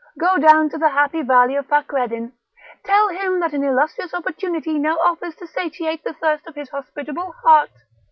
go down to the happy valley of Fakreddin; tell him that an illustrious opportunity now offers to satiate the thirst of his hospitable heart.